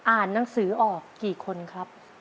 อ่านหนังสือออกกี่คนครับ